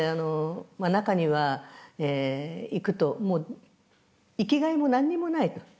中には行くともう生きがいも何にもないと。